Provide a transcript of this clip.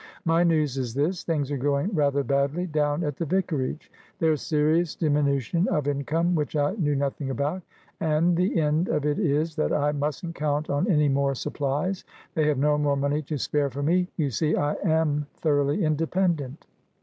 My news is this. Things are going rather badly down at the vicarage. There's serious diminution of income, which I knew nothing about. And the end of it is, that I mustn't count on any more supplies; they have no more money to spare for me. You see, I am thoroughly independent."